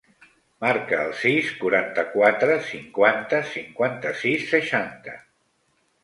Marca el sis, quaranta-quatre, cinquanta, cinquanta-sis, seixanta.